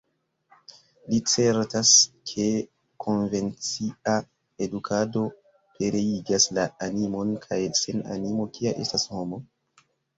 Li certas, ke konvencia edukado pereigas la animon, kaj sen animo, kia estas homo?